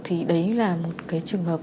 thì đấy là một cái trường hợp